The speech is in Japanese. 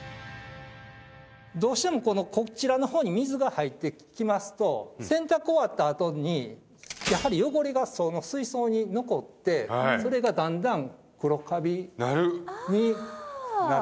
どうしてもこちらの方に水が入ってきますと洗濯終わったあとにやはり汚れが水槽に残ってそれがだんだん黒カビになっていきますよね。